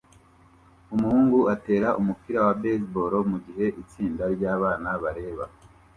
Umuhungu atera umupira wa baseball mugihe itsinda ryabana bareba